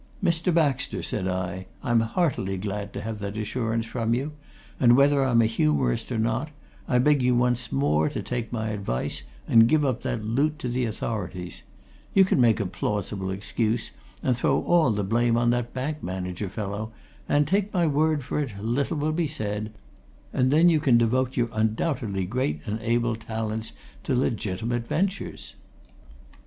"Mr. Baxter!" said I, "I'm heartily glad to have that assurance from you! And whether I'm a humorist or not, I'll beg you once more to take my advice and give up that loot to the authorities you can make a plausible excuse, and throw all the blame on that bank manager fellow, and take my word for it, little will be said and then you can devote your undoubtedly great and able talents to legitimate ventures!"